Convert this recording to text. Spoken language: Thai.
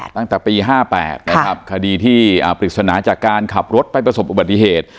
ตั้งแต่ปี๕๘นะครับคดีที่ปริศนาจากการขับรถไปประสบอุบัติเหตุ